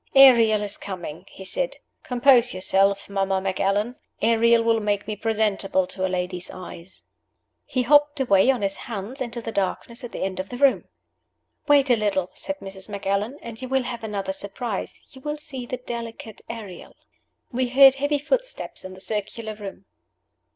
"Ariel is coming," he said. "Compose yourself, Mamma Macallan; Ariel with make me presentable to a lady's eyes." He hopped away on his hands into the darkness at the end of the room. "Wait a little," said Mrs. Macallan, "and you will have another surprise you will see the 'delicate Ariel.'" We heard heavy footsteps in the circular room.